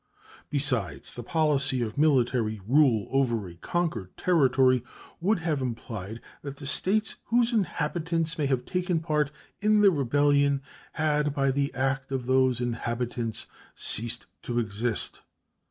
Besides, the policy of military rule over a conquered territory would have implied that the States whose inhabitants may have taken part in the rebellion had by the act of those inhabitants ceased to exist.